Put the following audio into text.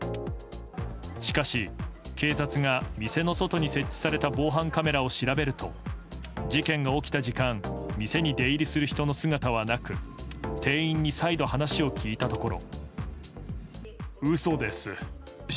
しかし、警察が店の外に設置された防犯カメラを調べると事件が起きた時間店に出入りする人の姿はなく店員に、再度話を聞いたところ。